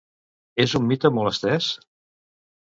És un mite molt estès?